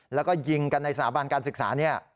แล้วก็ยิงกันในสถาบันการศึกษาเนี่ย